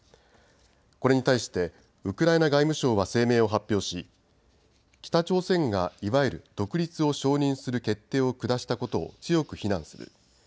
これに対してウクライナ外務省は声明を発表し北朝鮮がいわゆる独立を承認する決定を下したことを強く非難する。